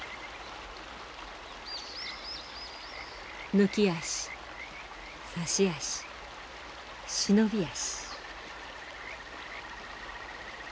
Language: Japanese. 抜き足差し足忍び足。